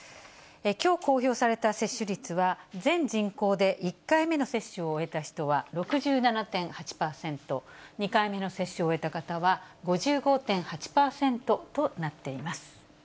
きょう公表された接種率は、全人口で１回目の接種を終えた人は６７．８％、２回目の接種を終えた方は５５．８％となっています。